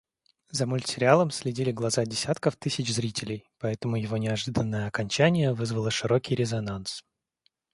За мультсериалом следили глаза десятков тысяч зрителей, поэтому его неожиданное окончание вызвало широкий резонанс.